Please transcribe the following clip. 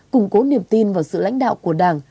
củng cố niềm tin vào sự lãnh đạo của đảng